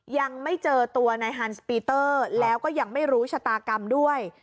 ยังไม่เจอตัวนายฮันสปีเตอร์แล้วก็ยังไม่รู้ชะตากรรมด้วย